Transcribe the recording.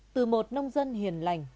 từ một nông dân hiền lành